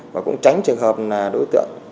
và cũng tránh trường hợp đối tượng